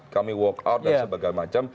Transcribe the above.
kami walk out dan sebagain macam